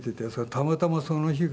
たまたまその日が。